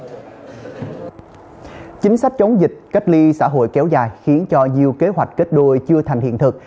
chính sách chống dịch cách ly xã hội kéo dài khiến cho nhiều kế hoạch kết đôi chưa thành hiện thực